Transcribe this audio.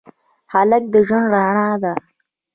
هلک د ژوند رڼا ده.